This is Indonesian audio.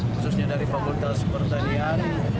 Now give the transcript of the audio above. khususnya dari fakultas pertanian